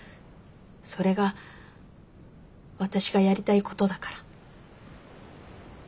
それが私がやりたいことだから。